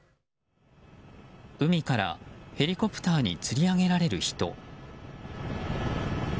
海からヘリコプターにつり上げられる人。